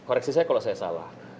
koreksi saya kalau saya salah